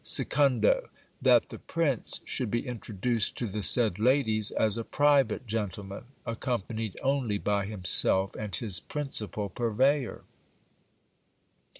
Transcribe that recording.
Secondo, that the prince should be introduced to the said ladies as a private gentleman, accompanied only by himself and his principal purveyor.